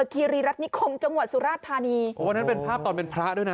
คีรีรัฐนิคมจังหวัดสุราชธานีโอ้นั่นเป็นภาพตอนเป็นพระด้วยนะ